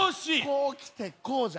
こうきてこうじゃ。